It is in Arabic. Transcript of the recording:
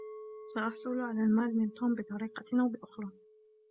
سأحصل على المال من توم بطرقة أو بأخرى.